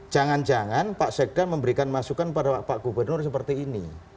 jangan jangan pak sekda memberikan masukan pada pak gubernur seperti ini